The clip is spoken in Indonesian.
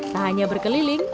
tak hanya berkeliling